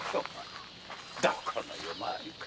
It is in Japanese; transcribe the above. どこの夜回りだか。